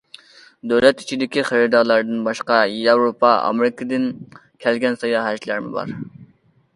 دۆلەت ئىچىدىكى خېرىدارلاردىن باشقا، ياۋروپا، ئامېرىكىدىن كەلگەن ساياھەتچىلەرمۇ بار.